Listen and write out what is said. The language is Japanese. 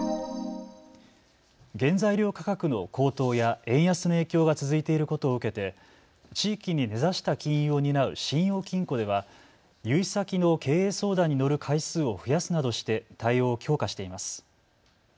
原材料価格の高騰や円安の影響が続いていることを受けて地域に根ざした金融を担う信用金庫では融資先の経営相談に乗る回数を増やすなどして対応を強化しています。